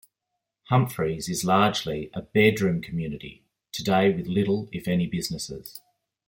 Humphreys is largely a "bedroom community" today with little if any businesses.